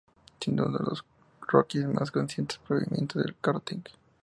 Siendo uno de los "rookies" más consistentes provenientes del karting.